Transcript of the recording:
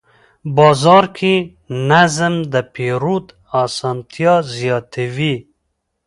بازار کې نظم د پیرود اسانتیا زیاتوي